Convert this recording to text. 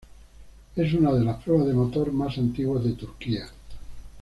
Es una de las pruebas de motor más antiguas de Turquía.